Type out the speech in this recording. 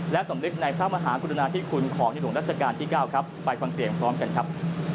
และสำนึกในพระมหากรุณาธิคุณของในหลวงรัชกาลที่๙ครับไปฟังเสียงพร้อมกันครับ